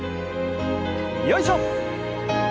よいしょ！